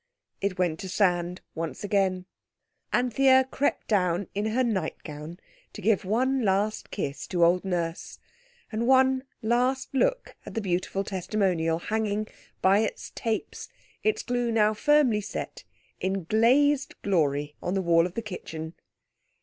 It went to sand again at once. Anthea crept down in her nightgown to give one last kiss to old Nurse, and one last look at the beautiful testimonial hanging, by its tapes, its glue now firmly set, in glazed glory on the wall of the kitchen.